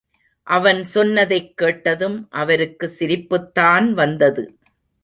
அவன் சொன்னதைக் கேட்டதும் அவருக்கு சிரிப்புதான் வந்தது.